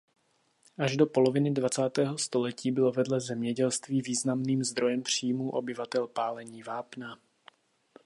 Až do poloviny dvacátého století bylo vedle zemědělství významným zdrojem příjmů obyvatel pálení vápna.